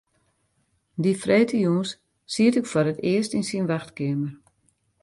Dy freedtejûns siet ik foar it earst yn syn wachtkeamer.